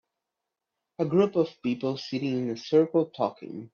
A group of people sitting in a circle talking.